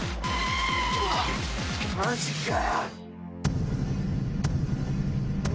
マジかよ！